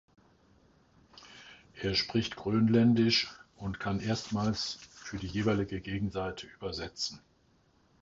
Er spricht Grönländisch und kann erstmals für die jeweilige Gegenseite übersetzen.